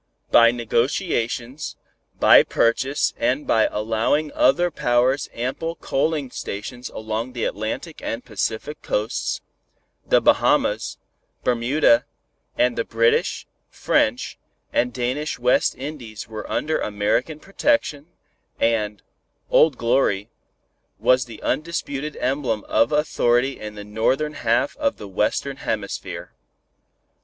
By negotiations, by purchase and by allowing other powers ample coaling stations along the Atlantic and Pacific coasts, the Bahamas, Bermuda and the British, French and Danish West Indies were under American protection, and "Old Glory" was the undisputed emblem of authority in the northern half of the Western Hemisphere.